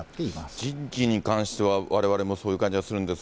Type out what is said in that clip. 人事に関しては、われわれもそういう感じがするんですが。